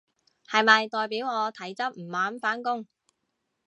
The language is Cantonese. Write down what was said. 係咪代表我體質唔啱返工？